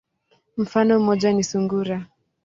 Mfano moja ni sungura.